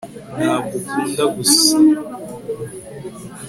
ntabwo ukunda gusa